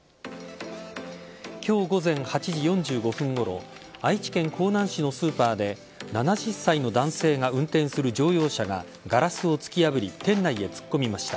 今日午前８時４５分ごろ愛知県江南市のスーパーで７０歳の男性が運転する乗用車がガラスを突き破り店内へ突っ込みました。